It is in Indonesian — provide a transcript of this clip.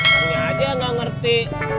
kayaknya aja gak ngerti